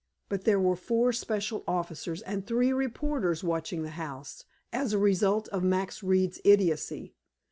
But there were four special officers and three reporters watching the house, as a result of Max Reed's idiocy.